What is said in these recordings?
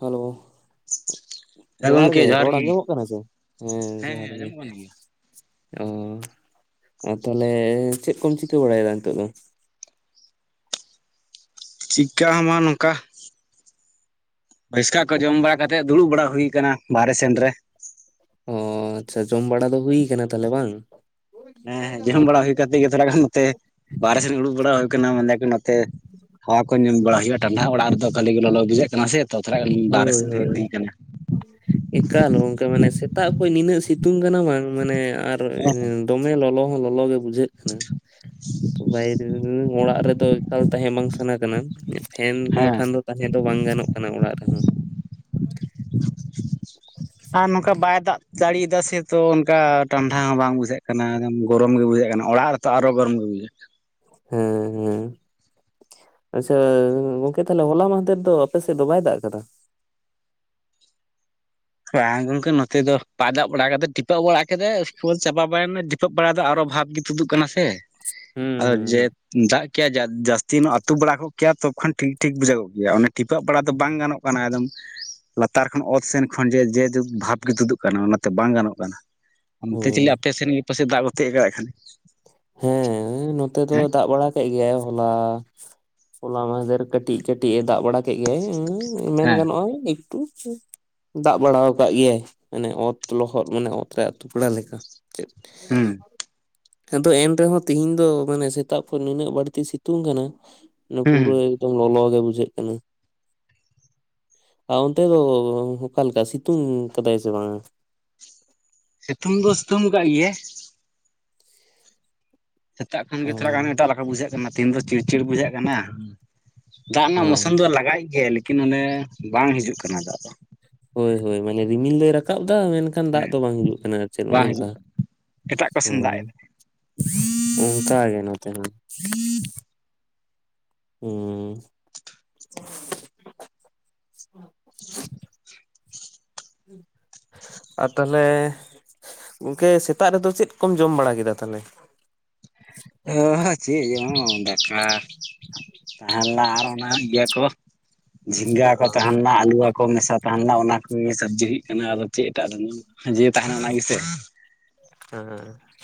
Hello, ᱡᱚᱦᱟᱨ ᱜᱮ, ᱨᱚᱲ ᱟᱸᱡᱚᱢᱚᱜ ᱠᱟᱱᱟ ᱥᱮ? ᱦᱮᱸ ᱡᱚᱦᱟᱨ ᱜᱮ᱾ ᱟᱸᱡᱚᱢᱚᱜ ᱠᱟᱱ ᱜᱮᱭᱟ ᱚ ᱛᱟᱦᱞᱮ ᱪᱮᱫ ᱠᱚᱢ ᱪᱤᱠᱟᱹ ᱵᱟᱲᱟᱭᱮᱫᱟ ᱱᱤᱛᱚᱜ ᱫᱚ? ᱪᱤᱠᱟᱹ ᱦᱚᱸ ᱵᱟᱝ ᱱᱚᱝᱠᱟ [unintelligible] ᱠᱚ ᱡᱚᱢ ᱵᱟᱲᱟ ᱠᱟᱛᱮᱫ ᱫᱩᱲᱩᱵ ᱵᱟᱲᱟ ᱦᱩᱭ ᱟᱠᱟᱱᱟ ᱵᱟᱦᱨᱮ ᱥᱮᱱ ᱨᱮ᱾ ᱚ ᱟᱪᱪᱷᱟ ᱡᱚᱢ ᱵᱟᱲᱟ ᱫᱚ ᱦᱩᱭ ᱟᱠᱟᱱᱟ ᱛᱟᱦᱚᱞᱮ ᱵᱟᱝ? ᱦᱮᱸᱦᱮᱸ ᱡᱚᱢ ᱵᱟᱲᱟ ᱦᱩᱭ ᱠᱟᱛᱮ ᱜᱮ ᱛᱷᱚᱲᱟ ᱜᱟᱱ ᱱᱚᱛᱮ ᱵᱟᱨᱦᱮ ᱥᱮᱱ ᱩᱲᱩᱠ ᱵᱟᱲᱟ ᱦᱩᱭ ᱟᱠᱟᱱᱟ ᱢᱟᱱᱮ ᱛᱮ ᱦᱟᱣᱟ ᱠᱚ ᱧᱟᱢ ᱵᱟᱲᱟ ᱦᱩᱭᱩᱜᱼᱟ ᱴᱟᱱᱰᱟᱷᱟ ᱚᱲᱟᱜ ᱨᱮᱫᱚ ᱠᱷᱟᱹᱞᱤ ᱜᱮ ᱞᱚᱞᱚ ᱵᱩᱷᱟᱹᱜ ᱠᱟᱱᱟ ᱥᱮ᱾ ᱛᱚ ᱛᱷᱚᱲᱟ ᱵᱟᱦᱨᱮ ᱦᱳᱭ ᱥᱮᱱ ᱦᱮᱜ ᱦᱳᱭ ᱦᱩᱭ ᱠᱟᱱᱟ᱾ ᱮᱠᱟᱞ ᱜᱚᱝᱠᱮ ᱢᱟᱱᱮ ᱥᱮᱛᱟᱜ ᱠᱷᱚᱱ ᱱᱤᱱᱟᱹᱜ ᱥᱤᱛᱩᱝ ᱠᱟᱱᱟ ᱵᱟᱝ ᱢᱟᱱᱮ ᱟᱨ ᱫᱚᱢᱮ ᱞᱚᱞᱚ ᱦᱚᱸ ᱞᱚᱞᱚ ᱜᱮ ᱵᱩᱡᱷᱟᱹᱜ ᱠᱟᱱᱟ ᱵᱟᱭᱨᱮ ᱚᱲᱟᱜ ᱨᱮᱫᱚ ᱮᱠᱟᱞ ᱛᱟᱦᱮᱸ ᱵᱟᱝ ᱥᱟᱱᱟ ᱠᱟᱱᱟ ᱯᱷᱮᱱ ᱦᱮᱸ ᱵᱟᱠᱷᱟᱱ ᱫᱚ ᱛᱟᱦᱮᱸ ᱫᱚ ᱵᱟᱝ ᱜᱟᱱᱚᱜ ᱠᱟᱱᱟ ᱚᱲᱟᱜ ᱨᱮ᱾ [unintelligible] ᱟᱨ ᱱᱚᱝᱠᱟ ᱵᱟᱭ ᱫᱟᱜ ᱫᱟᱲᱮᱭᱟᱫᱟ ᱥᱮᱛᱚ ᱚᱱᱠᱟ ᱴᱟᱱᱰᱟᱷᱟ ᱦᱚᱸ ᱵᱟᱝ ᱵᱩᱡᱷᱟᱹᱜ ᱠᱟᱱᱟ ᱮᱠ ᱜᱚᱨᱚᱢ ᱜᱮ ᱵᱩᱡᱷᱟᱹᱜ ᱠᱟᱱᱟ ᱚᱲᱟᱜ ᱨᱮᱛᱚ ᱟᱨᱚ ᱜᱚᱨᱚᱢ ᱜᱮ ᱵᱩᱡᱷᱟᱹ ᱾ ᱦᱮᱸ ᱦᱮᱸ᱾ ᱟᱪᱪᱷᱟ ᱜᱚᱝᱠᱮ ᱛᱟᱦᱚᱞᱮ ᱦᱚᱞᱟ ᱢᱟᱦᱫᱮᱨ ᱫᱚ ᱟᱯᱮ ᱥᱮᱫ ᱫᱚ ᱵᱟᱭ ᱫᱟᱜ ᱟᱠᱟᱫᱟ? ᱵᱟᱝ ᱜᱚᱝᱠᱮ ᱱᱚᱛᱮ ᱫᱚ ᱵᱟᱭ ᱫᱟᱜ ᱵᱟᱲᱟ ᱠᱟᱫᱟ, ᱴᱤᱯᱟᱹᱜ ᱵᱟᱲᱟ ᱠᱟᱛᱮ ᱪᱟᱵᱟ ᱵᱟᱲᱟᱭ ᱮᱱᱟ, ᱴᱷᱤᱯᱟᱹᱜ ᱵᱟᱲᱟ ᱫᱚ ᱟᱨᱚ ᱵᱷᱟᱵ ᱜᱮ ᱛᱩᱫᱩᱜ ᱠᱟᱱᱟ ᱥᱮ ᱾ ᱦᱩᱸ ᱟᱨ ᱡᱮ ᱦᱩᱸ ᱫᱟᱜ ᱠᱮᱭᱟ ᱡᱟᱹᱥᱛᱤ ᱟᱹᱛᱩ ᱵᱟᱲᱟ ᱠᱚᱜ ᱠᱮᱭᱟ ᱛᱚᱠᱷᱚᱱ ᱴᱷᱤᱠ, ᱴᱷᱤᱠ ᱵᱩᱡᱷᱟᱹᱜ ᱜᱮᱭᱟ᱾ ᱚᱱᱟ ᱴᱤᱯᱟᱹᱜ ᱵᱟᱲᱟ ᱫᱚ ᱵᱟᱝ ᱜᱟᱱᱚᱜ ᱠᱟᱱᱟ ᱮᱠᱫᱚᱢ ᱞᱟᱛᱟᱨ ᱠᱷᱚᱱ ᱚᱛ ᱥᱮᱱ ᱠᱷᱚᱱ ᱡᱮ ᱡᱮ ᱵᱷᱟᱵᱽ ᱜᱮ ᱛᱩᱫᱩᱜ ᱠᱟᱱᱟ ᱾ᱚᱱᱟᱛᱮ ᱵᱟᱝ ᱜᱟᱱᱚᱜ ᱠᱟᱱᱟ᱾ ᱚᱱᱛᱮ ᱦᱳᱭ ᱪᱤᱞᱤ ᱟᱯᱮ ᱥᱮᱱ ᱜᱮ ᱟᱯ ᱥᱮᱫ ᱫᱟᱜ ᱠᱚ ᱛᱤᱭᱚᱜ ᱠᱟᱜ ᱠᱷᱟᱱ ᱦᱮᱸ ᱱᱚᱛᱮ ᱫᱚ ᱦᱮᱸ ᱫᱟᱜ ᱵᱟᱲᱟ ᱜᱮᱭᱟᱭ ᱦᱚᱞᱟ, ᱦᱚᱞᱟ ᱢᱟᱫᱷᱮᱨ ᱠᱟᱹᱴᱤᱡ, ᱠᱟᱹᱴᱤᱡ ᱮ ᱫᱟᱜ ᱵᱟᱲᱟ ᱠᱮᱫ ᱜᱮᱭᱟᱭ ᱦᱮᱸ ᱢᱮᱱ ᱜᱟᱱᱚᱜᱼᱟ ᱮᱠᱴᱩ ᱫᱟᱜ ᱵᱟᱲᱟ ᱟᱠᱟᱫ ᱜᱮᱭᱟᱭ ᱢᱟᱱᱮ ᱚᱛ ᱞᱚᱦᱚᱫ ᱢᱟᱱᱮ ᱚᱛ ᱨᱮᱭᱟᱜᱛ ᱯᱲᱟ ᱞᱮᱠᱟ ᱪᱮᱫ ᱦᱮᱸ ᱾ ᱟᱫᱚ ᱮᱱ ᱨᱮᱦᱚᱸ ᱛᱤᱦᱤᱧ ᱫᱚ ᱢᱟᱱᱮ ᱥᱮᱛᱟᱜ ᱠᱷᱚᱱ ᱱᱤᱱᱟᱹᱜ ᱵᱟᱹᱲᱛᱤ ᱥᱤᱛᱩᱝ ᱠᱟᱱᱟ ᱦᱩᱸ ᱯᱩᱨᱟᱹ ᱦᱩᱸ ᱮᱠᱫᱚᱢ ᱞᱚᱞᱚ ᱜᱮ ᱵᱩᱡᱷᱟᱹᱜ ᱠᱟᱱᱟ ᱾ ᱟᱨ ᱚᱱᱛᱮ ᱫᱚ ᱚᱠᱟ ᱞᱮᱠᱟ ᱥᱤᱛᱩᱝ ᱠᱟᱫᱟᱭ ᱥᱮ ᱵᱟᱝᱼᱟ? ᱥᱤᱛᱩᱝ ᱫᱚ ᱥᱤᱛᱩᱝ ᱟᱠᱟᱫ ᱜᱮᱭᱟᱭ ᱥᱮᱛᱟᱜ ᱠᱷᱚᱱ ᱚ ᱜᱮ ᱛᱷᱚᱲᱟ ᱜᱟᱱ ᱮᱴᱟᱜ ᱞᱮᱠᱟ ᱵᱩᱡᱷᱟᱹᱜ ᱠᱟᱱᱟ ᱛᱤᱦᱤᱱ ᱫᱚ ᱪᱤᱲᱪᱤᱲ ᱵᱩᱡᱷᱟᱹᱜ ᱠᱟᱱᱟ ᱾ ᱫᱟᱜ ᱚ ᱨᱮᱱᱟᱜ ᱢᱳᱥᱩᱢ ᱫᱚ ᱞᱟᱜᱟᱭ ᱜᱮ, ᱞᱮᱠᱤᱱ ᱚᱱᱮ ᱵᱟᱝ ᱦᱤᱡᱩᱜ ᱠᱟᱱᱟ ᱫᱟᱜ ᱫᱚ ᱾ ᱦᱳᱭ ᱦᱳᱭ ᱢᱟᱱᱮ ᱨᱤᱢᱤᱞ ᱫᱚᱭ ᱨᱟᱠᱟᱵ ᱫᱟ᱾ ᱢᱮᱱᱠᱷᱟᱱ ᱠᱷᱚᱱ ᱫᱟᱜ ᱦᱮᱸ ᱫᱚ ᱵᱟᱝ ᱦᱤᱡᱩᱜ ᱠᱟᱱᱟ ᱟᱨ ᱪᱮᱫ ᱱᱚᱜᱼ ᱵᱟᱝ ᱦᱤᱡᱩᱜ ᱱᱚᱝᱠᱟ ᱠᱟᱱᱟ ᱮᱴᱟᱜ ᱠᱚᱥᱮᱱ ᱫᱟᱜ ᱦᱳᱭ᱾ ᱮᱫᱟ ᱚᱱᱠᱟ ᱜᱮ ᱱᱚᱛᱮ ᱦᱚᱸ ᱾ [inaudible] [inaudible] [inaudible] ᱟᱨ ᱛᱟᱦᱚᱞᱮ ᱜᱚᱝᱠᱮ ᱥᱮᱛᱟᱜ ᱨᱮᱫᱚ ᱪᱮᱫ ᱠᱚᱢ ᱡᱚᱢ ᱵᱟᱲᱟ ᱠᱮᱫᱟ ᱛᱟᱦᱚᱞᱮ? ᱚᱦᱚ ᱪᱮᱫ ᱮᱢ ᱡᱚᱢᱟ ᱫᱟᱠᱟ ᱛᱟᱦᱮ ᱞᱮᱱᱟ ᱟᱨ ᱚᱱᱟ ᱤᱭᱟᱹ ᱠᱚ ᱡᱷᱤᱸᱜᱟᱹ ᱠᱚ ᱚ ᱛᱟᱦᱮ ᱞᱮᱱᱟᱹᱴ ᱟᱞᱩ ᱠᱚᱢ ᱢᱮᱥᱟ ᱛᱟᱦᱮ ᱞᱮᱱᱟ ᱚᱱᱟ ᱠᱚᱜᱮ ᱥᱚᱵᱽᱡᱤ ᱦᱩᱭᱩᱜ ᱠᱟᱱᱟ᱾ ᱟᱫᱚ ᱪᱮᱫ ᱮᱴᱟᱜ ᱨᱮ ᱤᱭᱟᱹ ᱛᱟᱦᱮᱱᱟ ᱚᱱᱟ ᱜᱮ ᱥᱮ᱾ ᱦᱮᱸ ᱾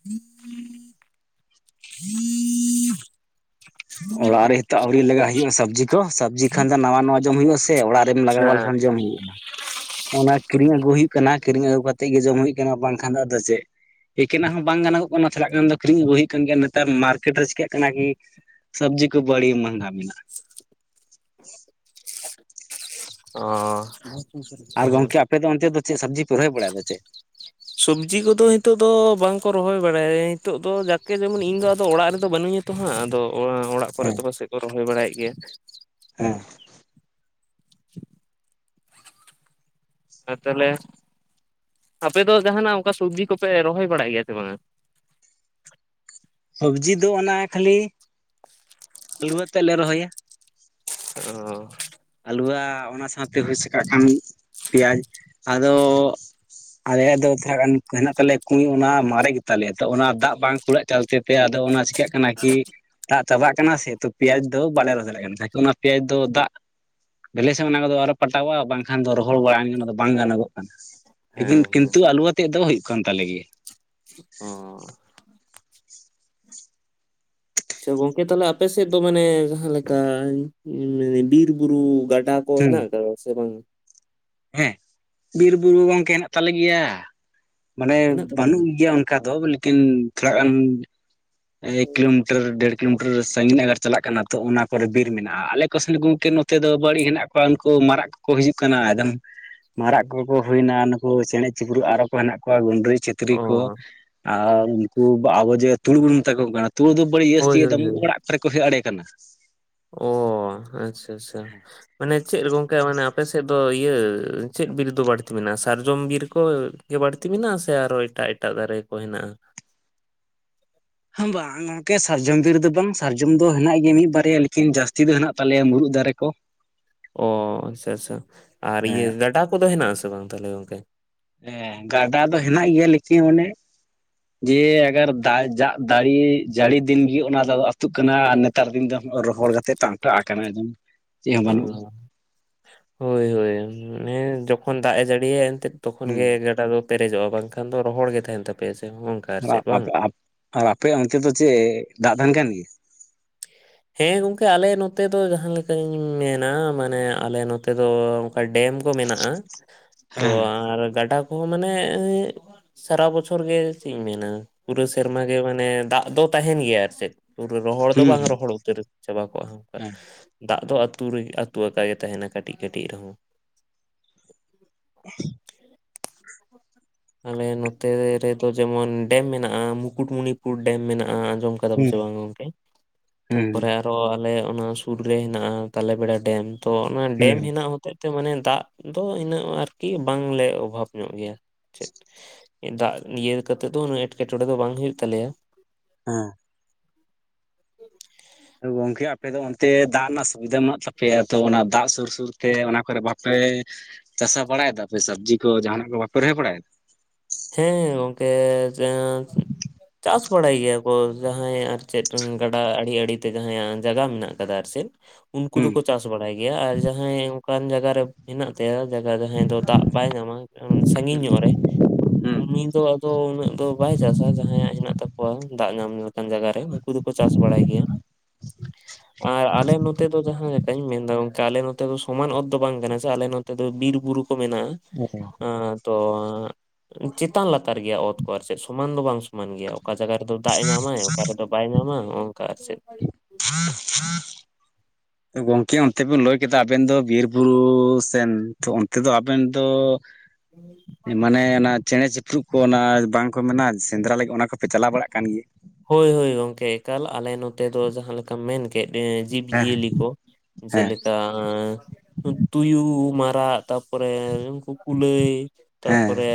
[inaudible] ᱚᱲᱟᱜ ᱨᱮ ᱱᱤᱛᱚ ᱟᱹᱣᱨᱤ ᱞᱟᱜᱟᱭ ᱦᱩᱭᱩᱜᱼᱟ ᱥᱚᱵᱽᱡᱤ ᱠᱚ ᱥᱚ ᱥᱚᱵᱽᱡᱤ ᱠᱷᱟᱱ ᱫᱚ ᱱᱟᱣᱟ ᱱᱟᱣᱟ ᱡᱚᱢ ᱦᱩᱭᱩᱜᱼᱟ ᱥᱮ ᱾ ᱚᱲᱟᱜ ᱨᱮᱢ ᱞᱟᱜᱟᱣᱟ ᱦᱮᱸ ᱞᱮᱠᱷᱟᱱ ᱡᱚᱢ ᱦᱩᱭᱩᱜᱼᱟ ᱾ ᱚᱱᱟ ᱠᱤᱨᱤᱧ ᱟᱹᱜᱩ ᱦᱩᱭᱩᱜ ᱠᱟᱱᱟ ᱠᱤᱨᱤᱧ ᱟᱹᱜᱩ ᱠᱟᱛᱮᱜ ᱜᱮ ᱡᱚᱢ ᱦᱩᱭᱩᱜ ᱠᱟᱱᱟ᱾ ᱵᱟᱝ ᱠᱷᱟᱱ ᱫᱚ ᱟᱫᱚ ᱪᱮᱫ ᱮᱠᱮᱱᱟᱜ ᱦᱚᱸ ᱵᱟᱝ ᱜᱟᱱᱚᱜ ᱠᱟᱱᱟ, ᱪᱟᱞᱟᱜ ᱠᱷᱟᱱ ᱫᱚ ᱠᱤᱨᱤᱧ ᱟᱹᱜᱩ ᱦᱩᱭᱩᱜ ᱠᱟᱱ ᱜᱮᱭᱟ᱾ ᱱᱮᱛᱟᱨ ᱢᱟᱨᱠᱮᱴ ᱨᱮ ᱪᱤᱠᱟᱹᱜ ᱠᱟᱱᱟ ᱠᱤ ᱥᱚᱵᱽᱡᱤ ᱠᱚ ᱵᱟᱹᱲᱤ ᱢᱚᱦᱜᱟ ᱢᱤᱱᱟᱜ ᱾ ᱚ ᱟᱨ ᱜᱚᱢᱠᱮ ᱟᱯᱮ ᱫᱚ ᱚᱱᱛᱮ ᱫᱚ ᱪᱮᱫ ᱥᱚᱵᱽᱡᱤ ᱯᱮ ᱨᱚᱦᱚᱭ ᱵᱟᱲᱟᱭᱟ ᱫᱚ ᱪᱮᱫ? [inaudible] ᱥᱚᱵᱽᱡᱤ ᱠᱚᱫᱚ ᱱᱤᱛᱚᱜ ᱫᱚ ᱵᱟᱝ ᱠᱚ ᱨᱚᱦᱚᱭ ᱵᱟᱲᱟᱭᱟ ᱱᱤᱛᱚᱜ ᱫᱚ ᱡᱟᱠᱮ ᱡᱮᱢᱚᱱ ᱤᱧ ᱫᱚ ᱟᱫᱚ ᱚᱲᱟᱜ ᱨᱮᱫᱚ ᱵᱟᱹᱱᱩᱧ ᱛᱚ ᱦᱟᱸᱜ ᱾ ᱟᱫᱚ ᱚᱲᱟᱜ ᱠᱚᱨᱮ ᱫᱚ ᱦᱮᱸ ᱯᱟᱥᱮᱡ ᱠᱚ ᱨᱚᱦᱚᱭ ᱵᱟᱲᱟᱭᱮᱫ ᱜᱮ ᱾ ᱦᱮᱸ [inaudible] ᱟᱨ ᱛᱟᱦᱚᱞᱮ ᱟᱯᱮ ᱫᱚ ᱡᱟᱦᱟᱱᱟᱜ ᱚᱱᱠᱟ ᱥᱚᱵᱽᱡᱤ ᱠᱚᱯᱮ ᱨᱚᱦᱚᱭ ᱵᱟᱲᱟᱭ ᱜᱮᱭᱟ ᱥᱮ ᱵᱟᱝᱼᱟ? ᱥᱚᱵᱽᱡᱤ ᱫᱚ ᱚᱱᱟ ᱠᱷᱟᱹᱞᱤ [unintelligible] ᱛᱮ ᱞᱮ ᱨᱚᱦᱚᱭᱟ ᱚ ᱟᱹᱞᱩᱣᱟ ᱚᱱᱟ ᱥᱟᱶᱛᱮ ᱦᱩᱭᱥᱟᱠ ᱠᱟᱜ ᱠᱷᱟᱱ ᱯᱮᱭᱟᱡᱽ ᱟᱫᱚ ᱟᱞᱮ ᱫᱚ [unintelligible] ᱜᱟᱱ ᱦᱮᱱᱟᱜ ᱛᱟᱞᱮᱭᱟ ᱠᱩᱸᱧ᱾ ᱚᱱᱟ ᱢᱟᱨᱮ ᱜᱮᱛᱟᱞᱮᱭᱟ, ᱛᱚ ᱚᱱᱟ ᱫᱟᱜ ᱵᱟᱝ ᱠᱩᱲᱟᱹᱜ ᱪᱟᱞᱛᱮ ᱯᱮ ᱟᱫᱚ ᱚᱱᱟ ᱪᱤᱠᱟᱹᱜ ᱠᱟᱱᱟ ᱠᱤ ᱫᱟᱜ ᱪᱟᱵᱟᱜ ᱠᱟᱱᱟ ᱥᱮ, ᱛᱚ ᱯᱮᱭᱟᱡᱽ ᱫᱚ ᱵᱟᱞᱮ ᱨᱚᱦᱚᱭ ᱫᱟᱲᱮᱭᱟ ᱠᱟᱱᱟ᱾ ᱚᱱᱟ ᱯᱮᱭᱟᱡᱽ ᱫᱚ ᱫᱟᱜ ᱵᱮᱞᱮ ᱥᱮᱫ ᱚᱱᱟ ᱠᱚᱫᱚ ᱟᱨᱚ ᱯᱟᱞᱴᱟᱣᱟ, ᱵᱟᱝᱠᱷᱟᱱ ᱫᱚ ᱨᱚᱦᱚᱲ ᱵᱟᱲᱟᱭ ᱜᱮ ᱚᱱᱟ ᱫᱚ ᱵᱟᱝ ᱜᱟᱱᱚᱜ ᱠᱟᱱᱟ᱾ ᱦᱮᱸ ᱞᱮᱠᱤᱱ ᱦᱮᱸ ᱠᱤᱱᱛᱩ ᱟᱞᱩ ᱟᱛᱮᱜ ᱫᱚ ᱦᱩᱭᱩᱜ ᱠᱟᱱ ᱛᱟᱞᱮ ᱜᱮ᱾ ᱦᱮᱸ᱾ ᱟᱪᱪᱷᱟ ᱜᱚᱝᱠᱮ ᱛᱟᱦᱚᱞᱮ ᱟᱯᱮ ᱥᱮᱫ ᱫᱚ ᱢᱟᱱᱮ ᱡᱟᱦᱟᱸ ᱞᱮᱠᱟ, ᱵᱤᱨ ᱵᱩᱨᱩ ᱜᱟᱰᱟ [unintelligible] ᱦᱩᱸ ᱦᱮᱱᱟᱜ ᱥᱮ ᱵᱟᱝ? ᱦᱮᱸ, ᱵᱤᱨ ᱵᱩᱨᱩ ᱜᱚᱝᱠᱮ ᱦᱮᱱᱟᱜ ᱛᱟᱞᱮ ᱜᱮᱭᱟ ᱾ ᱢᱟᱱᱮ ᱦᱮᱱᱟᱜ ᱛᱟᱯᱮ ᱵᱟᱹᱱᱩᱜ ᱜᱮᱭᱟ ᱚᱱᱠᱟ ᱫᱚ, ᱞᱮᱠᱤᱱ ᱛᱷᱚᱲᱟ ᱜᱟᱱ ᱮᱠ ᱠᱤᱞᱳᱢᱤᱴᱟᱨ ᱰᱮᱲ ᱠᱤᱞᱳᱢᱤᱴᱟᱨ ᱥᱟᱺᱜᱤᱧ ᱜᱟᱨ ᱪᱟᱞᱟᱜ ᱠᱟᱱᱟ ᱛᱚ ᱚᱱᱟ ᱠᱚᱨᱮ ᱵᱤᱨ ᱢᱮᱱᱟᱜᱼᱟ᱾ ᱟᱞᱮ ᱠᱚ ᱥᱮᱫ ᱜᱚᱢᱠᱮ ᱱᱚᱛᱮ ᱫᱚ ᱵᱟᱹᱲᱤᱡ ᱦᱮᱱᱟᱜ ᱠᱚᱣᱟ ᱩᱱᱠᱩ ᱢᱟᱨᱟᱜ ᱠᱚ ᱠᱚ ᱦᱤᱡᱩᱜ ᱠᱟᱱᱟ ᱮᱠᱫᱚᱢ, ᱢᱟᱨᱟᱜ ᱠᱚ ᱠᱚ ᱦᱩᱭᱱᱟ ᱱᱩᱠᱩ ᱪᱮᱬᱮ ᱪᱤᱯᱨᱩᱫ ᱟᱨᱚ ᱠᱚ ᱦᱮᱱᱟᱜ ᱠᱚᱣᱟ ᱜᱩᱰᱨᱤ ᱪᱩ ᱛᱤᱛᱨᱤ ᱚ ᱠᱚ ᱟᱨ ᱩᱱᱠᱩ ᱟᱵᱚ ᱡᱮ ᱛᱩᱲ ᱵᱚᱱ ᱢᱮᱛᱟ ᱠᱚ ᱠᱟᱱᱟ, ᱛᱩᱲ ᱫᱚ ᱦᱳᱭ ᱦᱳᱭ [inaudible] ᱦᱳᱭ ᱚᱲᱟᱜ ᱠᱚᱨᱮᱠᱚ ᱦᱮᱡ ᱟᱲᱮ ᱠᱟᱱᱟ᱾ ᱚ ᱟᱪᱪᱷᱟ ᱟᱪᱪᱷᱟ᱾ ᱢᱟᱱᱮ ᱪᱮᱫ ᱜᱚᱝᱠᱮ ᱢᱟᱱᱮ ᱟᱯᱮ ᱥᱮᱫ ᱫᱚ ᱤᱭᱟᱹ, ᱪᱮᱫ ᱵᱤᱨ ᱫᱚ ᱵᱟᱹᱲᱛᱤ ᱢᱮᱱᱟᱜᱼᱟ? ᱥᱟᱨᱡᱚᱢ ᱵᱤᱨ ᱠᱚ ᱜᱮ ᱵᱟᱹᱲᱛᱤ ᱢᱮᱱᱟᱜᱼᱟ᱾ ᱥᱮ ᱟᱨᱚ ᱮᱴᱟᱜ ᱮᱴᱟᱜ ᱫᱟᱨᱮ ᱠᱚ ᱦᱮᱱᱟᱜᱼᱟ᱾ ᱦᱮᱸ ᱵᱟᱝ ᱜᱚᱢᱠᱮ ᱥᱟᱨᱡᱚᱢ ᱵᱤᱨ ᱫᱚ ᱵᱟᱝ, ᱥᱟᱨᱡᱚᱢ ᱫᱚ ᱦᱮᱱᱟᱜ ᱜᱮᱭᱟ ᱢᱤᱫ ᱵᱟᱨᱭᱟ ᱞᱮᱠᱤᱱ ᱡᱟᱹᱥᱛᱤ ᱫᱚ ᱦᱮᱱᱟᱜ ᱛᱟᱞᱮᱭᱟ ᱢᱩᱨᱩᱫ ᱫᱟᱨᱮ ᱠᱚ ᱾ ᱛᱚ᱾ ᱚ ᱟᱪᱪᱷᱟ ᱟᱪᱪᱷᱟ, ᱟᱨ ᱤᱭᱟᱹ ᱦᱮᱸ ᱜᱟᱰᱟ ᱠᱚᱫᱚ ᱦᱮᱱᱟᱜ ᱟᱥᱮ ᱵᱟᱝ ᱛᱟᱦᱚᱞᱮ ᱜᱚᱝᱠᱮ? ᱦᱮᱸ ᱜᱟᱰᱟ ᱫᱚ ᱦᱮᱱᱟᱜ ᱜᱮᱭᱟ᱾ ᱞᱮᱠᱤᱱ ᱚᱱᱮ ᱡᱮ ᱟᱹᱜᱟᱨ ᱫᱟᱜ ᱫᱟᱨᱮ ᱡᱟᱹᱲᱤ ᱫᱤᱱ ᱜᱮ ᱚᱱᱟ ᱫᱚ ᱟᱹᱛᱩᱜ ᱠᱟᱱᱟ᱾ ᱱᱮᱛᱟᱨ ᱫᱤᱱ ᱫᱚ ᱨᱚᱦᱚᱲ ᱠᱟᱛᱮ ᱴᱟᱱᱴᱟᱜ ᱟᱠᱟᱱᱟ ᱮᱠᱫᱚᱢ ᱾ ᱚ ᱦᱳᱭ ᱦᱳᱭ ᱢᱟᱱᱮ ᱡᱚᱠᱷᱚᱱ ᱫᱟᱜ ᱮ ᱡᱟᱹᱲᱤᱭᱟᱭ ᱮᱱᱛᱮᱫ᱾ ᱛᱚᱠᱷᱚᱱ ᱦᱩᱸ ᱜᱮ ᱜᱟᱰᱟ ᱫᱚ ᱯᱮᱨᱮᱡᱚᱜᱼᱟ, ᱵᱟᱝᱠᱷᱟᱱ ᱫᱚ ᱨᱚᱦᱚᱲ ᱜᱮ ᱛᱟᱦᱮᱱ ᱛᱟᱯᱮᱭᱟ ᱥᱮ ᱦᱚᱱᱠᱟ᱾ ᱟᱨ ᱟᱯᱮᱭᱟᱜ ᱚᱱᱛᱮ ᱫᱚ ᱪᱮᱫ ᱫᱟᱜ ᱛᱟᱦᱮᱱ ᱠᱟᱱ ᱜᱮᱭᱟ? ᱦᱮᱸ ᱜᱚᱝᱠᱮ ᱟᱞᱮ ᱱᱚᱛᱮ ᱫᱚ ᱡᱟᱦᱟᱸ ᱞᱮᱠᱟᱧ ᱢᱮᱱᱟ, ᱢᱟᱱᱮ ᱟᱞᱮ ᱱᱚᱛᱮ ᱫᱚ ᱚᱱᱠᱟ ᱰᱮᱢ ᱠᱚ ᱢᱮᱱᱟᱜᱼᱟ ᱾ᱛᱚ ᱦᱮᱸ ᱟᱨ ᱜᱟᱰᱟ ᱠᱚᱦᱚᱸ ᱢᱟᱱᱮ ᱥᱟᱨᱟ ᱵᱚᱪᱷᱚᱨ ᱜᱮ ᱪᱮᱫ ᱤᱧ ᱢᱮᱱᱟ, ᱯᱩᱨᱟᱹ ᱥᱮᱨᱢᱟ ᱜᱮ ᱢᱟᱱᱮ ᱫᱟᱜ ᱫᱚ ᱛᱟᱦᱮᱱ ᱜᱮᱭᱟ ᱟᱨ ᱪᱮᱫ᱾ ᱯᱩᱨᱟᱹ ᱨᱚᱦᱚᱲ ᱫᱚ ᱦᱩᱸ ᱵᱟᱝ ᱨᱚᱦᱚᱲᱚᱜᱼᱟ᱾ ᱩᱛᱟᱹᱨ ᱪᱟᱵᱟ ᱠᱚᱜᱼᱟ ᱚᱱᱠᱟ ᱦᱮᱸ ᱫᱟᱜ ᱫᱚ ᱟᱹᱛᱩ ᱨᱮᱜᱮ ᱟᱹᱛᱩ ᱟᱠᱟ ᱜᱮ ᱛᱟᱦᱮᱱᱟ ᱠᱟᱹᱴᱤᱡ ᱠᱟᱹᱴᱤᱡ ᱨᱮᱦᱚᱸ᱾ [inaudible] ᱟᱞᱮ ᱱᱚᱛᱮ ᱨᱮᱫᱚ ᱡᱮᱢᱚᱱ ᱰᱮᱢ ᱢᱮᱱᱟᱜᱼᱟ᱾ ᱢᱩᱠᱩᱴᱢᱩᱱᱤᱯᱩᱨ ᱰᱮᱢ ᱢᱮᱱᱟᱜᱼᱟ ᱾ᱟᱡᱚᱢ ᱠᱟᱫᱟᱢ ᱥᱮ ᱦᱩᱸ ᱵᱟᱝ ᱜᱚᱝᱠᱮ, ᱦᱩᱸ ᱛᱟᱯᱚᱨᱮ ᱟᱨᱚ ᱟᱞᱮ ᱚᱱᱟ ᱥᱩᱨ ᱨᱮ ᱦᱮᱱᱟᱜᱼᱟ ᱛᱟᱞᱮ ᱵᱮᱲᱟ ᱰᱮᱢ᱾ ᱛᱚ ᱚᱱᱟ ᱰᱮᱢ ᱦᱩᱸ ᱦᱮᱱᱟᱜ ᱦᱚᱛᱮ ᱛᱮ, ᱢᱟᱱᱮ ᱫᱟᱜ ᱫᱚ ᱤᱱᱟᱹᱜ ᱟᱨᱠᱤ ᱵᱟᱝᱞᱮ ᱚᱵᱷᱟᱵᱽ ᱧᱚᱜ ᱜᱮᱭᱟ᱾ ᱪᱮᱫ ᱫᱟᱜ ᱤᱭᱟᱹ ᱠᱟᱛᱮᱫ ᱫᱚ, ᱩᱱᱟᱹᱜ ᱮᱴᱠᱮᱴᱚᱬᱮ ᱫᱚ ᱵᱟᱝ ᱦᱳᱭᱩ ᱛᱟᱞᱮᱭᱟ᱾ ᱦᱮᱸ ᱾ ᱜᱚᱝᱠᱮ ᱟᱯᱮ ᱫᱚ ᱚᱱᱛᱮ ᱫᱟᱜ ᱨᱮᱱᱟᱜ ᱥᱩᱵᱤᱫᱷᱟ ᱢᱮᱱᱟᱜ ᱛᱟᱯᱮᱭᱟ ᱛᱚ, ᱚᱱᱟ ᱫᱟᱜ ᱥᱩᱨ ᱥᱩᱨᱛᱮ ᱚᱱᱟ ᱠᱚᱨᱮ ᱵᱟᱯᱮ ᱪᱟᱥᱟ ᱵᱟᱲᱟᱭᱮᱫᱟᱯᱮ ᱥᱚᱵᱽᱡᱤ ᱠᱚ ᱡᱟᱦᱟᱱᱟᱜ ᱠᱚ ᱵᱟᱯᱮ ᱨᱚᱦᱚᱭ ᱵᱟᱲᱟᱭᱮᱫᱟ? ᱦᱮᱸ ᱜᱚᱝᱠᱮ ᱪᱟᱥ ᱵᱟᱲᱟᱭ ᱜᱮᱭᱟ ᱠᱚ ᱡᱟᱦᱟᱸᱭ ᱟᱨ ᱪᱮᱫ ᱜᱟᱰᱟ ᱟᱲᱮ ᱟᱲᱮᱛᱮ ᱡᱟᱦᱟᱸᱭᱟᱜ ᱡᱟᱭᱜᱟ ᱢᱮᱱᱟᱜᱼᱟ᱾ ᱟᱨᱮᱫ ᱩᱱᱠᱩ ᱦᱩᱸ ᱫᱚᱠᱚ ᱪᱟᱥ ᱵᱟᱲᱟᱭ ᱜᱮᱭᱟ, ᱟᱨ ᱡᱟᱦᱟᱸᱭ ᱚᱱᱠᱟᱱ ᱡᱟᱭᱜᱟ ᱨᱮ ᱦᱮᱱᱟᱜ ᱛᱟᱠᱚ ᱡᱟᱭᱜᱟ ᱡᱟᱦᱟᱸᱭ ᱫᱚ ᱫᱟᱜ ᱵᱟᱭ ᱧᱟᱢᱟ ᱥᱟᱹᱜᱤᱧ ᱧᱚᱜ ᱨᱮ, ᱦᱩᱸ ᱩᱱᱤ ᱫᱚ ᱫᱚ ᱩᱱᱟᱹᱜ ᱫᱚ ᱵᱟᱭ ᱪᱟᱥᱟ ᱡᱟᱦᱟᱸᱭᱟᱜ ᱦᱮᱱᱟᱜ ᱛᱟᱠᱚᱣᱟ ᱫᱟᱜ ᱧᱟᱢ ᱞᱮᱠᱟᱱ ᱡᱟᱭᱜᱟᱨᱮ ᱩᱱᱠᱩ ᱫᱚᱠᱚ ᱪᱟᱥ ᱵᱟᱲᱟᱭ ᱜᱮᱭᱟ ᱾ ᱟᱨ ᱟᱞᱮ ᱱᱚᱛᱮ ᱫᱚ ᱡᱟᱦᱟᱸᱭ ᱪᱮᱠᱟᱧ ᱢᱮᱱᱫᱟ ᱜᱚᱝᱠᱮ ᱟᱞᱮ ᱱᱚᱛᱮ ᱫᱚ ᱥᱚᱢᱟᱱ ᱚᱛ ᱫᱚ ᱵᱟᱝ ᱠᱟᱱᱟ ᱥᱮ ᱟᱞᱮ ᱱᱚᱛᱮ ᱫᱚ ᱵᱤᱨ ᱵᱩᱨᱩ ᱠᱚ ᱢᱮᱱᱟᱜᱼᱟ ᱾ ᱟᱸ ᱛᱚ ᱪᱮᱛᱟᱱ ᱞᱟᱛᱟᱨ ᱜᱮᱭᱟ ᱚᱛ ᱠᱚ ᱟᱨ ᱪᱮᱫ ᱥᱚᱢᱟᱱ ᱫᱚ ᱵᱟᱝ ᱥᱚᱢᱟᱱ ᱜᱮᱭᱟ ᱚᱠᱟ ᱡᱟᱜᱟ ᱨᱮᱫᱚ ᱫᱟᱜ ᱮ ᱧᱟᱢᱟᱭ ᱚᱠᱟ ᱨᱮᱫᱚ ᱵᱟᱭ ᱧᱟᱢᱟ ᱚᱱᱠᱟ ᱟᱨ ᱪᱨᱫ [inaudible] [inaudible] ᱜᱚᱝᱠᱮ ᱚᱱᱛᱮ ᱵᱮᱱ ᱞᱟᱹᱭ ᱠᱮᱫᱟ ᱟᱵᱮᱱ ᱫᱚ ᱵᱤᱨᱵᱩᱨᱩ ᱥᱮᱱ ᱛᱚ ᱚᱱᱛᱮ ᱫᱚ ᱟᱵᱮᱱ ᱫᱚ ᱢᱟᱱᱮ ᱚᱱᱟ ᱪᱮᱬᱮ ᱪᱮ ᱪᱩᱯᱨᱩᱵ ᱠᱚ ᱚᱱᱟ ᱵᱟᱝᱠᱚ ᱢᱮᱱᱟ ᱥᱮᱸᱫᱽᱨᱟ ᱞᱟᱹᱜᱤᱫ ᱚᱱᱟ ᱠᱚᱯᱮ ᱪᱟᱞᱟᱣ ᱵᱟᱲᱟᱜ ᱠᱟᱱ ᱜᱮᱭᱟ? ᱦᱳᱭ ᱦᱳᱭ ᱜᱚᱝᱠᱮ ᱮᱠᱟᱞ ᱟᱞᱮ ᱱᱚᱛᱮ ᱫᱚ ᱡᱟᱦᱟᱸ ᱞᱮᱠᱟᱢ ᱢᱮᱱ ᱠᱮ ᱠᱮᱫ ᱟᱸ ᱡᱤᱵ ᱡᱤᱭᱟᱹᱞᱤ ᱦᱮᱸ ᱠᱚ ᱦᱮᱸ ᱡᱮᱞᱮ ᱠᱟ ᱛᱩᱭᱩ, ᱢᱟᱨᱟᱜ, ᱛᱟᱨᱯᱚᱨᱮ ᱩᱱᱠᱩ ᱠᱩᱞᱟᱹᱭ ᱛᱟᱯᱚᱨᱮ ᱦᱮᱸ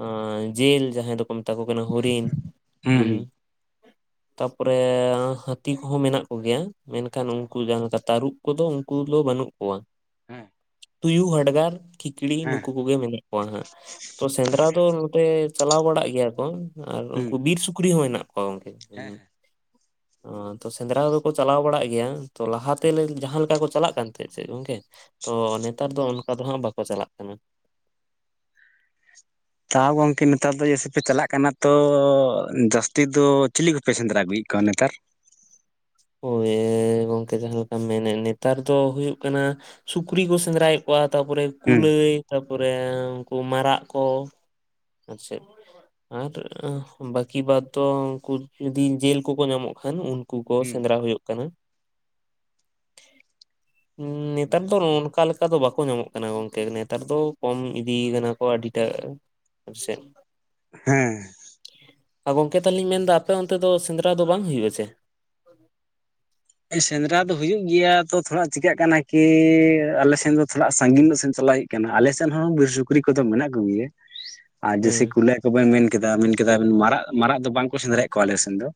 ᱟᱸ ᱡᱤᱞ ᱡᱟᱦᱟᱸᱭ ᱫᱚᱠᱚ ᱢᱮᱛᱟ ᱠᱚ ᱠᱟᱱᱟ ᱦᱚᱨᱤᱱ ᱦᱩᱸ ᱛᱟᱯᱚᱨᱮ ᱦᱟᱹᱛᱤ ᱠᱚᱦᱚᱸ ᱢᱮᱱᱟᱜ ᱠᱚᱜᱮᱭᱟ ᱢᱮᱱᱠᱷᱟᱱ ᱩᱱᱠᱩ ᱡᱟᱦᱟᱸ ᱞᱮᱠᱟ ᱛᱟᱹᱨᱩᱵ ᱠᱩᱫᱚ ᱩᱱᱠᱩ ᱫᱚ ᱵᱟᱹᱱᱩᱜ ᱠᱚᱣᱟ ᱾ ᱦᱮᱸ ᱾ ᱛᱩᱭᱩ, ᱦᱟᱰᱜᱟᱨ, ᱠᱷᱤᱠᱲᱤ ᱱᱩᱠᱩ ᱠᱚᱜᱮ ᱢᱮᱱᱟᱜ ᱠᱚᱣᱟ ᱦᱟᱸᱜ ᱛᱚ ᱥᱮᱸᱫᱽᱨᱟ ᱫᱚ ᱱᱚᱛᱮ ᱪᱟᱞᱟᱣ ᱵᱟᱲᱟᱜ ᱜᱮᱭᱟ ᱠᱚ ᱟᱨ ᱦᱩᱸ ᱩᱱᱠᱩ ᱵᱤᱨ ᱥᱩᱠᱨᱤ ᱦᱚᱸ ᱦᱮᱱᱟᱜ ᱠᱚᱣᱟ ᱜᱚᱝᱠᱮ ᱾ ᱦᱮᱸ ᱦᱮᱸ ᱾ ᱛᱚ ᱥᱮᱸᱫᱽᱨᱟ ᱫᱚᱠᱚ ᱪᱟᱞᱟᱣ ᱵᱟᱲᱟᱜ ᱜᱮᱭᱟ ᱛᱚ ᱞᱟᱦᱟᱛᱮ ᱡᱟᱦᱟᱸ ᱞᱮᱠᱟ ᱠᱚ ᱪᱟᱞᱟᱜ ᱠᱟᱱ ᱛᱟᱦᱮᱸᱫ ᱥᱮ ᱜᱚᱝᱠᱮ ᱛᱚ ᱱᱮᱛᱟᱨ ᱫᱚ ᱚᱱᱠᱟ ᱫᱚ ᱦᱟᱸᱜ ᱵᱟᱠᱚ ᱪᱟᱞᱟᱜ ᱠᱟᱱᱟ ᱾ ᱛᱟᱣ ᱦᱚᱸ ᱜᱚᱝᱠᱮ ᱱᱮᱛᱟᱨ ᱫᱚ ᱡᱟᱹᱭᱥᱮ ᱯᱮ ᱪᱟᱞᱟᱜ ᱠᱟᱱᱟ ᱛᱚ ᱡᱟᱹᱥᱛᱤ ᱫᱚ ᱪᱤᱞᱤ ᱠᱚᱯᱮ ᱥᱮᱸᱫᱽᱨᱟ ᱟᱹᱜᱩᱭᱮᱫ ᱠᱚᱣᱟ ᱱᱮᱛᱟᱨ ᱾ ᱳᱭ ᱜᱚᱝᱠᱮ ᱡᱟᱦᱟᱸ ᱞᱮᱠᱟᱢ ᱢᱮᱱᱮᱫ ᱱᱮᱛᱟᱨ ᱫᱚ ᱦᱩᱭᱩᱜ ᱠᱟᱱᱟ ᱥᱩᱠᱨᱤ ᱠᱚ ᱥᱮᱸᱫᱽᱨᱟᱭᱮᱫ ᱠᱚᱣᱟ ᱛᱟᱨᱯᱚᱨᱮ ᱦᱩᱸ ᱠᱩᱞᱟᱹᱭ ᱛᱟᱯᱚᱨᱮ ᱩᱱᱠᱩ ᱢᱟᱨᱟᱜ ᱠᱚ ᱟᱨ ᱪᱮᱫ ᱾ ᱟᱨ ᱵᱟᱹᱠᱤ ᱵᱟᱫᱽᱷᱚ ᱩᱱᱠᱩ ᱡᱩᱫᱤ ᱡᱮᱞ ᱠᱚᱠᱚ ᱧᱟᱢᱚᱜ ᱠᱷᱟᱱ ᱩᱱ ᱩᱱᱠᱩ ᱠᱚ ᱦᱩᱸ ᱥᱮᱸᱫᱽᱨᱟ ᱦᱩᱭᱩᱜ ᱠᱟᱱᱟ ᱾ ᱦᱩ ᱱᱮᱛᱟᱨ ᱫᱚ ᱱᱚᱜ ᱱᱚᱝᱠᱟ ᱞᱮᱠᱟ ᱚᱱᱠᱟ ᱫᱚ ᱵᱟᱠᱚ ᱧᱟᱢᱚᱜ ᱠᱟᱱᱟ ᱜᱚᱝᱠᱮ ᱱᱮᱛᱟᱨ ᱫᱚ ᱠᱚᱢ ᱤᱫᱤ ᱠᱟᱱᱟ ᱠᱚ ᱟᱹᱰᱤ ᱴᱟᱜ, ᱟᱞᱮ ᱥᱮᱫ ᱾ ᱦᱮᱸ ᱾ ᱟ ᱜᱚᱝᱠᱮ ᱛᱟᱦᱚᱞᱮᱧ ᱢᱮᱱᱫᱟ ᱟᱯᱮ ᱚᱱᱛᱮ ᱫᱚ ᱥᱮᱸᱫᱽᱨᱟ ᱫᱚ ᱵᱟᱝ ᱦᱩᱭᱩᱜ ᱟᱥᱮ? ᱥᱮᱸᱫᱽᱨᱟ ᱫᱚ ᱦᱩᱭᱩᱜ ᱜᱮᱭᱟ ᱛᱚ ᱛᱷᱚᱲᱟ ᱪᱤᱠᱟᱹᱜ ᱠᱟᱱᱟ ᱠᱤ ᱟᱞᱮ ᱥᱮᱱ ᱫᱚ ᱛᱷᱚᱲᱟ ᱥᱟᱺᱜᱤᱧ ᱧᱚᱜ ᱥᱮᱱ ᱪᱟᱞᱟᱜ ᱦᱩᱭᱩᱜ ᱠᱟᱱᱟ ᱟᱞᱮᱥᱮᱱ ᱦᱚᱸ ᱵᱤᱨ ᱥᱩᱠᱨᱤ ᱠᱚᱫᱚ ᱢᱮᱱᱟᱜ ᱠᱚᱜᱮᱭᱟ, [inaudible] ᱟᱨ ᱡᱮᱭᱥᱮ ᱠᱩᱞᱟᱹᱭ ᱠᱚᱵᱮᱱ ᱢᱮᱱ ᱠᱮᱫᱟ ᱢᱮᱱ ᱠᱮᱫᱟ ᱵᱤᱱ ᱢᱟᱨᱟᱜ ᱢᱟᱨᱟᱜ ᱫᱚ ᱵᱟᱝᱠᱚ ᱥᱮᱸᱫᱽᱟᱲᱮᱫ ᱠᱚᱣᱟ ᱟᱞᱮ ᱥᱮᱱ ᱫᱚ,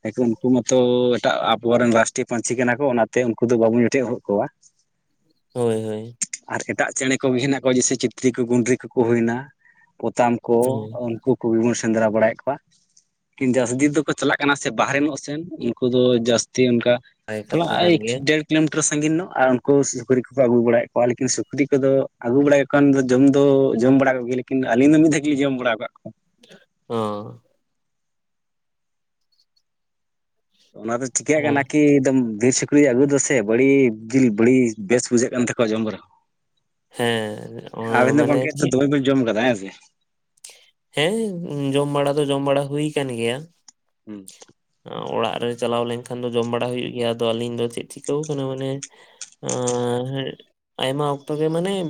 ᱠᱟᱦᱮᱠᱤ ᱩᱱᱠᱩ ᱢᱟᱛᱚ ᱮᱴᱟᱜ ᱟᱵᱚᱨᱮᱱ ᱨᱟᱥ ᱴᱤ ᱯᱟᱹᱧᱪᱷᱤ ᱠᱟᱱᱟ ᱠᱚ ᱚᱱᱟᱛᱮ ᱩᱱᱠᱩ ᱫᱚ ᱵᱟᱵᱚᱱ ᱡᱚᱴᱮᱫ ᱦᱚᱫ ᱠᱚᱣᱟ ᱾ ᱦᱳᱭ ᱦᱳᱭ ᱾ ᱟᱨ ᱮᱴᱟᱜ ᱪᱮᱬᱮ ᱠᱚ ᱦᱮᱱᱟᱜ ᱠᱚᱣᱟ ᱡᱮᱭᱥᱮ ᱪᱤᱛᱨᱤ ᱠᱚ ᱜᱩᱸᱰᱨᱤ ᱠᱚᱠᱚ ᱦᱩᱭᱱᱟ ᱯᱚᱛᱟᱢ ᱠᱚ ᱦᱮᱸ ᱩᱱᱠᱩ ᱠᱚᱜᱮ ᱵᱚᱱ ᱥᱮᱸᱫᱽᱨᱟ ᱵᱟᱲᱟᱭᱮᱫ ᱠᱚᱣᱟ, ᱛᱤᱱ ᱡᱟᱹᱥᱛᱤ ᱫᱚᱠᱚ ᱪᱟᱞᱟᱜ ᱠᱟᱱᱟ ᱥᱮ ᱵᱟᱨᱦᱨᱮ ᱧᱚᱜ ᱥᱮᱱ ᱩᱱᱠᱩ ᱫᱚ ᱡᱟᱹᱥᱛᱤ ᱚᱱᱠᱟ ᱱᱟᱯᱟᱭ ᱛᱷᱚᱲᱟ ᱠᱟᱛᱷᱟ ᱠᱟᱱ ᱟᱭᱤᱠ ᱜᱮᱭᱟ ᱰᱮᱲ, ᱠᱤᱞᱳᱢᱤᱴᱟᱨ ᱥᱟᱺᱜᱤᱧ ᱱᱚᱜ ᱟᱨ ᱩᱱᱠᱩ ᱥᱩᱠᱨᱤ ᱠᱚᱠᱚ ᱟᱹᱜᱩ ᱵᱟᱲᱟᱭᱮᱜ ᱠᱚᱣᱟ, ᱞᱮᱠᱤᱱ ᱥᱩᱠᱨᱤ ᱠᱚᱫᱚ ᱟᱹᱜᱩ ᱵᱟᱲᱟᱭ ᱠᱟᱱ ᱫᱚ ᱡᱚᱢ ᱫᱚ ᱡᱚᱢ ᱵᱟᱲᱟ ᱠᱚᱜᱮ ᱞᱮᱠᱤᱱ ᱟᱹᱞᱤᱧ ᱫᱚ ᱢᱤᱫ ᱫᱷᱟᱠ ᱜᱮ ᱞᱤᱧ ᱡᱚᱢ ᱵᱟᱲᱟ ᱟᱠᱟᱫ ᱠᱚᱣᱟ᱾ ᱦᱚᱸ, ᱚᱱᱟ ᱫᱚ ᱚ ᱪᱤᱠᱟᱹᱜ ᱠᱟᱱᱟ ᱠᱤ ᱮᱫᱚᱢ ᱵᱤᱥᱩᱠ ᱠᱩᱨᱤ ᱟᱹᱜᱩ ᱫᱚ ᱥᱮ ᱵᱟᱹᱲᱤ ᱫᱤᱞ ᱵᱟᱹᱲᱤᱥ ᱵᱮᱥ ᱵᱩᱡᱷᱟᱹᱜ ᱠᱟᱱ ᱛᱟᱠᱚᱣᱟ ᱡᱚᱢ ᱨᱮᱦᱚᱸ᱾ ᱦᱮᱸ ᱚᱱᱟ ᱟᱵᱤᱱ ᱫᱚ ᱢᱟᱱᱮ ᱜᱚᱝᱠᱮ ᱮᱛᱚ ᱪᱮᱫ ᱫᱚᱢᱮ ᱵᱤᱱ ᱡᱚᱢ ᱟᱠᱟᱫᱟ ᱦᱮᱸ ᱥᱮ, ᱦᱮᱸ ᱩᱸ ᱡᱚᱢ ᱵᱟᱲᱟ ᱫᱚ ᱡᱚᱢ ᱵᱟᱲᱟ ᱦᱩᱭ ᱠᱟᱱ ᱜᱮᱭᱟ᱾ ᱦᱩᱸ, ᱟᱸ ᱚᱲᱟᱜ ᱨᱮ ᱪᱟᱞᱟᱣ ᱞᱮᱱᱠᱷᱟᱱ ᱫᱚ ᱡᱚᱢ ᱵᱟᱲᱟ ᱦᱩᱭᱩᱜ ᱜᱮᱭᱟ, ᱟᱫᱚ ᱟᱹᱞᱤᱧ ᱫᱚ ᱪᱮᱫ ᱪᱤᱠᱟᱹᱣ ᱠᱟᱱᱟ ᱢᱟᱱᱮ ᱟᱸ ᱦᱮᱸᱜ ᱟᱭᱢᱟ ᱚᱠᱛᱚ ᱜᱮ ᱢᱟᱱᱮᱢ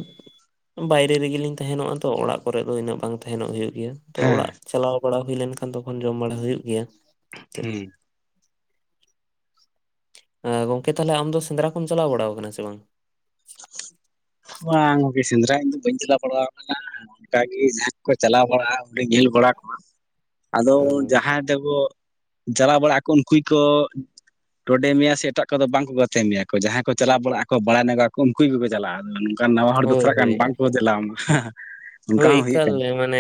ᱵᱟᱭᱨᱮ ᱨᱮᱜᱮ ᱞᱤᱧ ᱛᱟᱦᱮᱸ ᱱᱚᱜᱼᱟ ᱛᱚ ᱚᱲᱟᱜ ᱠᱚᱨᱮᱜ ᱫᱚ ᱤᱱᱟᱹᱜ ᱵᱟᱝ ᱛᱟᱦᱮᱸᱱᱚᱜ ᱦᱩᱭᱩᱜ ᱜᱮᱭᱟ᱾ ᱛᱚ ᱚᱲᱟᱜ ᱦᱮᱸ ᱪᱟᱞᱟᱣ ᱵᱟᱲᱟ ᱦᱩᱭ ᱞᱮᱱᱠᱷᱟᱱ ᱛᱚᱠᱷᱚᱱ ᱡᱚᱢ ᱵᱟᱲᱟ ᱦᱩᱭᱩᱜ ᱜᱮᱭᱟ᱾ ᱪᱮᱫ ᱦᱩᱸ, ᱟᱸ ᱜᱚᱝᱠᱮ ᱛᱟᱦᱚᱞᱮ ᱟᱢ ᱫᱚ ᱥᱮᱸᱫᱽᱨᱟ ᱠᱚᱢ ᱪᱟᱞᱟᱣ ᱵᱟᱲᱟᱣ ᱟᱠᱟᱱᱟ ᱥᱮ ᱵᱟᱝ? ᱵᱟᱝ ᱜᱚᱝᱠᱮ ᱥᱮᱸᱫᱽᱨᱟ ᱤᱧ ᱫᱚ ᱵᱟᱹᱧ ᱪᱟᱞᱟᱣ ᱵᱟᱲᱟᱣ ᱟᱠᱟᱱᱟ᱾ ᱚᱱᱠᱟ ᱜᱤ ᱡᱟᱦᱟᱸᱭ ᱠᱚᱠᱚ ᱪᱟᱞᱟᱣ ᱵᱟᱲᱟᱣ ᱚᱸᱰᱮ ᱧᱮᱞ ᱵᱟᱲᱟ ᱠᱚᱣᱟ ᱟᱫᱚ ᱦᱩᱸ ᱡᱟᱦᱟᱸᱭ ᱛᱮᱜᱚᱻᱜ ᱡᱟᱞᱟᱣ ᱵᱟᱲᱟᱜ ᱟᱠᱚ ᱩᱱᱠᱩᱭ ᱠᱚᱻᱜ ᱴᱚᱰᱮ ᱢᱮᱭᱟ ᱥᱮ, ᱮᱴᱟᱜ ᱠᱚᱫᱚ ᱵᱟᱝ ᱠᱚ ᱜᱟᱛᱮ ᱢᱮᱭᱟ ᱠᱚ, ᱡᱟᱦᱟᱸᱭ ᱠᱚ ᱪᱟᱞᱟᱣ ᱵᱟᱲᱟᱜᱼᱟᱠᱚ ᱵᱟᱲᱟᱭ ᱱᱚᱜᱟ ᱠᱚ ᱩᱱᱠᱩ ᱜᱮᱠᱚ ᱪᱟᱞᱟᱜᱼᱟ, ᱟ ᱱᱚᱝᱠᱟᱱ ᱱᱟᱣᱟ ᱦᱚᱲ ᱫᱚ ᱦᱳᱭ ᱪᱟᱞᱟᱜ ᱠᱟᱱ ᱦᱳᱭ ᱵᱟᱝ ᱠᱚ ᱫᱮᱞᱟ ᱟᱢᱟ, ᱦᱮᱸ ᱦᱮᱸ ᱾ ᱦᱳᱭ ᱮᱠᱟᱞᱻᱞᱮ ᱢᱟᱱᱮ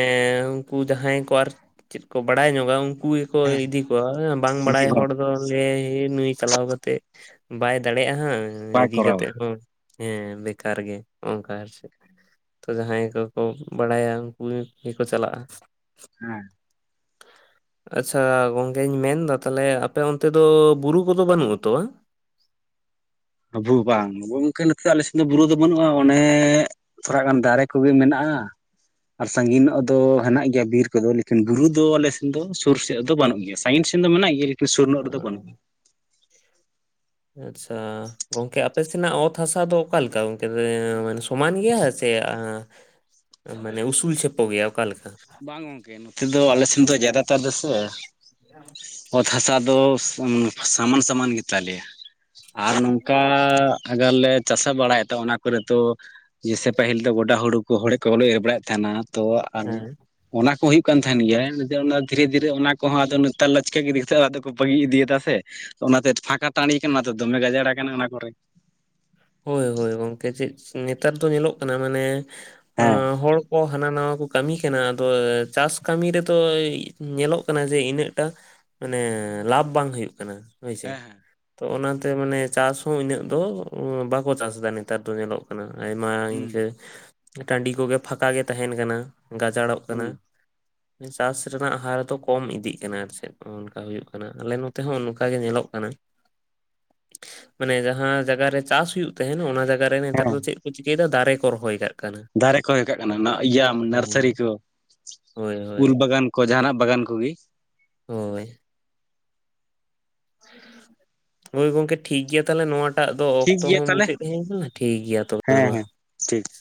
ᱩᱸᱠᱩ ᱡᱟᱦᱟᱸᱭ ᱠᱚ ᱟᱨ ᱪᱮᱫ ᱠᱚ ᱵᱟᱲᱟᱭ ᱧᱚᱜᱟ ᱩᱸᱠᱩ ᱜᱮ ᱠᱚ ᱦᱮᱸ ᱤᱫᱤ ᱠᱚᱣᱟ, ᱮᱸ ᱵᱟᱝ ᱵᱟᱲᱟᱭ ᱦᱚᱲ ᱫᱚ ᱞᱮ ᱱᱩᱭ ᱪᱟᱞᱟᱣ ᱠᱟᱛᱮᱜ ᱵᱟᱭ ᱫᱟᱲᱮᱜᱼᱟ ᱦᱟᱸᱜ ᱵᱟᱭ ᱤᱫᱤ ᱠᱚᱨᱟᱣᱟ ᱠᱟᱛᱮᱜ ᱦᱚᱸ ᱦᱮᱸ ᱵᱮᱠᱟᱨ ᱜᱮ, ᱚᱸᱠᱟ ᱟᱨ ᱪᱮᱫ ᱛᱚ ᱡᱟᱦᱟᱸᱭ ᱠᱚ ᱠᱚ ᱵᱟᱲᱟᱭᱟ ᱩᱸᱠᱩ ᱜᱮ ᱜᱮᱠᱚ ᱪᱟᱞᱟᱜᱼᱟ᱾ ᱦᱮᱸ, ᱟᱪᱪᱷᱟ ᱜᱚᱝᱠᱮᱧ ᱢᱮᱱ ᱮᱫᱟ ᱛᱟᱦᱮᱞᱮ ᱟᱯᱮ ᱚᱱᱛᱮ ᱫᱚ ᱵᱩᱨᱩ ᱠᱚᱫᱚ ᱵᱟᱹᱱᱩᱜᱼᱟ ᱛᱚ ᱵᱟᱝ? ᱟᱵᱩ ᱵᱟᱝ ᱜᱚᱝᱠᱮ ᱱᱚᱛᱮ ᱟᱞᱮᱥᱮᱫ ᱫᱚ ᱵᱩᱨᱩ ᱫᱚ ᱵᱟᱹᱱᱩᱜᱼᱟ, ᱚᱱᱮᱻᱜ ᱛᱷᱚᱨᱟ ᱜᱟᱱ ᱫᱟᱨᱮ ᱠᱚᱜᱮ ᱢᱮᱱᱟᱜᱼᱟ᱾ ᱟᱨ ᱥᱟᱺᱜᱤᱧ ᱱᱚᱜ ᱫᱚ ᱦᱮᱸᱱᱟᱜ ᱜᱮᱭᱟ ᱵᱤᱨ ᱠᱚᱫᱚ, ᱞᱮᱠᱤᱱ ᱵᱩᱨᱩ ᱫᱚ ᱟᱞᱮ ᱥᱮᱱ ᱫᱚ ᱥᱩᱨ ᱥᱮᱫ ᱫᱚ ᱵᱟᱹᱱᱩᱜ ᱜᱮᱭᱟ, ᱥᱟᱺᱜᱤᱱ ᱥᱮᱱ ᱫᱚ ᱢᱮᱱᱟᱜ ᱜᱮᱭᱟ, ᱞᱮᱠᱤᱱ ᱥᱩᱨ ᱱᱚᱜ ᱨᱮᱫᱚ ᱵᱟᱹᱱᱩᱜᱼᱟ᱾ ᱟᱪᱪᱷᱟ ᱜᱚᱝᱠᱮ ᱟᱯᱮ ᱥᱮᱱᱟᱜ ᱚᱛ ᱦᱟᱥᱟ ᱫᱚ ᱚᱠᱟ ᱞᱮᱠᱟ, ᱜᱚᱝᱠᱮᱫᱮ ᱮᱸ ᱥᱚᱢᱟᱱ ᱜᱮᱭᱟ ᱥᱮ, ᱟᱸ ᱮᱸ ᱢᱟᱱᱮ ᱩᱥᱩᱞ ᱪᱷᱮᱯᱚ ᱜᱮᱭᱟ ᱚᱠᱟ ᱞᱮᱠ ᱵᱟᱝ ᱜᱚᱝᱠᱮ, ᱱᱚᱛᱮ ᱫᱚ ᱟᱞᱮ ᱥᱮᱱ ᱫᱚ ᱡᱟᱫᱟᱛᱟᱨ ᱫᱮᱥᱮ [inaudible] ᱚᱛ ᱦᱟᱥᱟ ᱫᱚ ᱥᱚᱢ ᱥᱟᱢᱟᱱ ᱥᱟᱢᱟᱱ ᱜᱮ ᱛᱟᱞᱮᱭᱟ᱾ ᱟᱨ ᱱᱚᱝᱠᱟ ᱟᱜᱟᱨ ᱞᱮ ᱪᱟᱥᱟ ᱵᱟᱲᱟᱭᱮᱫ ᱛᱮ ᱚᱱᱟᱠ ᱠᱚᱨᱮ ᱛᱚ ᱡᱮᱥᱮ ᱯᱟᱹᱦᱤᱞ ᱫᱚ ᱜᱚᱰᱟ ᱦᱩᱲᱩ ᱠᱚ ᱦᱚᱲᱮᱜ ᱠᱚ ᱵᱟᱞᱮ ᱮᱨ ᱵᱟᱲᱟᱭᱮᱫ ᱛᱟᱦᱮᱸᱱᱟ ᱛᱚ ᱟᱢ ᱦᱮᱸ ᱚᱱᱟ ᱠᱚᱦᱚᱸ ᱦᱩᱭᱩᱜ ᱠᱟᱱ ᱛᱟᱦᱮᱸᱱ ᱜᱮᱭᱟ, [unintelligible] ᱫᱷᱤᱨᱮ ᱫᱷᱤᱨᱮ ᱚᱱᱟ ᱠᱚᱦᱚᱸ ᱟᱫᱚ ᱱᱮᱛᱟᱨ ᱞᱟᱹᱪᱠᱟᱹ ᱜᱮ ᱤᱫᱤ ᱠᱟᱛᱮᱜ ᱟᱫᱚ ᱠᱚ ᱵᱟᱹᱜᱤ ᱤᱫᱤᱭᱟᱫᱟᱜᱼᱟ ᱥᱮ᱾ ᱚᱱᱟᱛᱮᱫ ᱯᱷᱟᱸᱠᱟ ᱴᱟᱺᱰᱤ ᱠᱟᱱᱟ ᱚᱱᱟᱛᱮ ᱫᱚᱢᱮ ᱜᱟᱡᱟᱲ ᱟᱠᱟᱱᱟ ᱚᱱᱟ ᱠᱚᱨᱮ᱾ ᱦᱳᱭ ᱦᱳᱭ ᱜᱚᱝᱠᱮ ᱪᱮᱫᱥ ᱮᱸ ᱱᱮᱛᱟᱨ ᱫᱚ ᱧᱮᱞᱚᱜ ᱠᱟᱱᱟ ᱢᱟᱱᱮ ᱦᱮᱸ ᱟᱸ ᱦᱚᱲ ᱠᱚ ᱦᱟᱱᱟ ᱱᱟᱣᱟ ᱠᱚ ᱠᱟᱹᱢᱤ ᱠᱟᱱᱟ, ᱟᱫᱚᱭ ᱪᱟᱥ ᱠᱟᱹᱢᱤ ᱨᱮᱫᱚᱭ ᱧᱮᱞᱚᱜ ᱠᱟᱱᱟ ᱡᱮ ᱤᱱᱟᱹᱜ ᱴᱟ, ᱢᱟᱱᱮᱻ ᱞᱟᱵᱷ ᱵᱟᱝ ᱦᱩᱭᱩᱜ ᱠᱟᱱᱟ᱾ ᱦᱳᱭ ᱥᱮ, ᱦᱮᱸ ᱦᱮᱸ ᱛᱚ ᱚᱱᱟᱛᱮ ᱢᱟᱱᱮ ᱪᱟᱥ ᱦᱚᱸ ᱤᱱᱟᱹᱜ ᱫᱚ ᱩᱸ ᱵᱟᱠᱚ ᱪᱟᱥ ᱮᱫᱟ ᱱᱮᱛᱟᱨ ᱫᱚ ᱧᱮᱞᱚᱜ ᱟᱭᱢᱟ ᱦᱩᱸ ᱤᱱᱠᱟᱹ ᱴᱟᱺᱰᱤ ᱠᱚᱜᱮ ᱯᱷᱟᱠᱟ ᱜᱮ ᱛᱟᱦᱮᱱ ᱠᱟᱱᱟ ᱾ ᱜᱟᱡᱟᱲᱚᱜ ᱠᱟᱱᱟ ᱦᱩᱸ ᱾ ᱪᱟᱥ ᱨᱮᱱᱟᱜ ᱦᱟᱨ ᱫᱚ ᱠᱚᱢ ᱤᱫᱤᱜ ᱠᱟᱱᱟ ᱟᱨ ᱪᱮᱫ ᱚᱱᱠᱟ ᱦᱩᱭᱩᱜ ᱠᱟᱱᱟ ᱟᱞᱮ ᱱᱚᱛᱮ ᱦᱚᱸ ᱱᱚᱝᱠᱟ ᱜᱮ ᱧᱮᱞᱚᱜ ᱠᱟᱱᱟ᱾ ᱢᱟᱱᱮ ᱡᱟᱦᱟᱸ ᱡᱟᱜᱟ ᱨᱮ ᱪᱟᱥ ᱦᱩᱭᱩᱜ ᱛᱟᱦᱮᱸᱱᱟ, ᱚᱱᱟ ᱡᱟᱭᱜᱟ ᱨᱮ ᱱᱮᱛᱟᱨ ᱦᱮᱸ ᱫᱚ ᱪᱮᱫ ᱠᱚ ᱪᱤᱠᱟᱹᱭᱮᱫᱟ ᱫᱟᱨᱮ ᱠᱚ ᱨᱚᱦᱚᱭ ᱟᱠᱟᱫ ᱾ ᱫᱟᱨᱮ ᱠᱚ ᱤᱭᱟᱹ ᱠᱟᱜ ᱠᱟᱱᱟ ᱟᱻ ᱤᱭᱟᱹ ᱱᱟᱨᱥᱟᱨᱤ ᱦᱳᱭ ᱠᱚ ᱾ ᱦᱳᱭ ᱩᱞ ᱦᱳᱭ ᱵᱟᱜᱟᱱ ᱠᱚ ᱡᱟᱦᱟᱸᱱᱟᱜ ᱵᱟᱜᱟᱱ ᱠᱚᱜᱮ ᱾ ᱦᱚᱭ ᱦᱚᱭ ᱜᱚᱢᱠᱮ ᱴᱷᱤᱠ ᱜᱮᱭᱟ ᱛᱟᱦᱞᱮ ᱱᱚᱣᱟ ᱴᱟᱜ ᱫᱚ ᱴᱷᱤᱠ ᱚᱠᱛᱚ ᱜᱮᱭᱟ ᱦᱚᱸ ᱛᱟᱦᱚᱞᱮ ᱢᱩᱪᱟᱹᱫ ᱦᱮᱡ ᱟᱠᱟᱱᱟ ᱴᱷᱤᱠ ᱜᱮᱭᱟ ᱛᱚᱵᱮ ᱦᱮᱸ ᱢᱟ ᱦᱮᱸ ᱾ ᱴᱷᱤᱠ ᱾